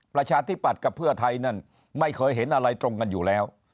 ประชาธิปัตย์กับเพื่อไทยนั่นไม่เคยเห็นอะไรตรงกันอยู่แล้ว